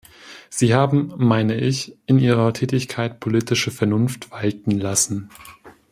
Sie haben, meine ich, in Ihrer Tätigkeit politische Vernunft walten lassen.